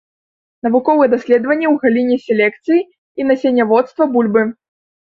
Навуковыя даследаванні ў галіне селекцыі і насенняводства бульбы.